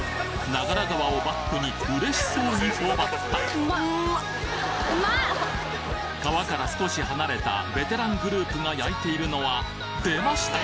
長良川をバックにうれしそうに頬張った川から少し離れたベテラングループが焼いているのは出ました！